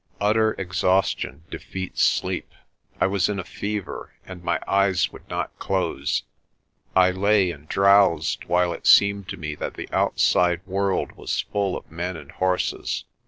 Utter exhaustion defeats sleep. I was in a fever and my eyes would not close. I lay and drowsed while it seemed 220 PRESTER JOHN to me that the outside world was full of men and horses.